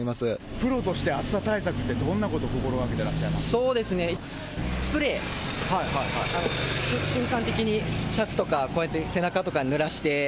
プロとして暑さ対策ってどんなこと心がけていらっしゃいますそうですね、スプレー、瞬間的にシャツとか、こうやって、背中とかぬらして。